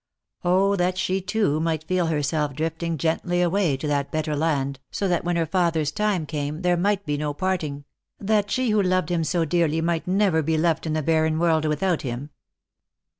that she too might feel herself drifting gently away to that better land, so that when her father's time came there might be no parting ; that she who loved him so dearly might never be left in the barren world without him